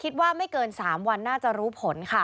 คิดว่าไม่เกิน๓วันน่าจะรู้ผลค่ะ